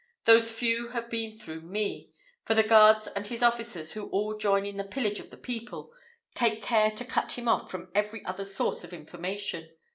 Those few have been through me, for his guards and his officers, who all join in the pillage of the people, take care to cut off from him every other source of information.